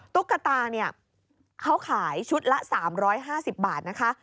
ตุ๊กตาเนี่ยเขาขายชุดละ๓๕๐บาทนะคะ